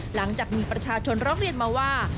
หลังจากมีประชาชนร้องเรียนมาว่า